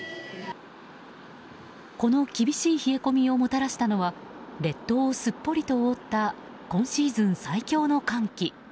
この厳しい冷え込みをもたらしたのは列島をすっぽりと覆った今シーズン最強の寒気。